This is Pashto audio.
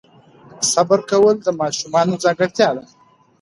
صبر کول د ماشومانو ځانګړتیا ده.